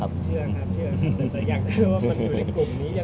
หมอบรรยาหมอบรรยา